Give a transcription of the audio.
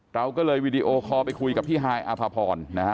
เราก็เลยวีดีโอคอลไปคุยกับพี่ฮายอภพรนะฮะ